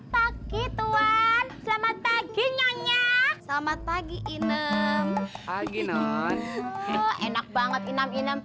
pak gituan selamat pagi nyonya selamat pagi inem pagi enak banget inem inem